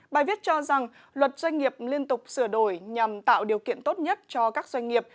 bài viết cho rằng luật doanh nghiệp liên tục sửa đổi nhằm tạo điều kiện tốt nhất cho các doanh nghiệp